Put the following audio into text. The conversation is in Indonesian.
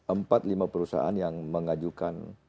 empat lima perusahaan yang mengajukan